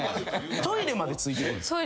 トイレまでついてくるんすか？